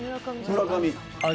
村上。